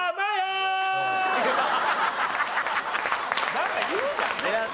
なんか言うじゃんね。